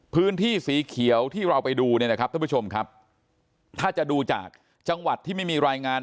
พื้นที่สีเขียวที่เราไปดูถ้าจะดูจากจังหวัดที่ไม่มีรายงาน